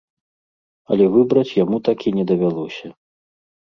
Але выбраць яму так і не давялося.